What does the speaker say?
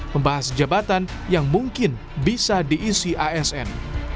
membahas jabatan yang mungkin bisa diisi asn